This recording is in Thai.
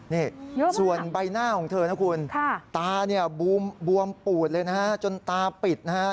นี่ส่วนใบหน้าของเธอนะคุณตาเนี่ยบวมปูดเลยนะฮะจนตาปิดนะฮะ